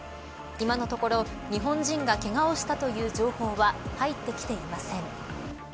今のところ日本人がけがをしたという情報は入ってきていません。